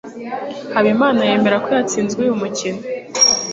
Habimana yemera ko yatsinzwe uyumukino .